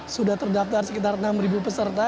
sudah terdaftar sekitar enam peserta